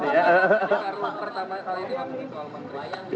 karena pertama kali ini kami di soal pemerintah